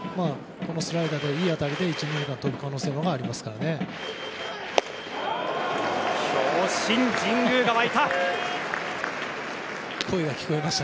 このスライダーでいい当たりで１、２塁間飛ぶ可能性があります。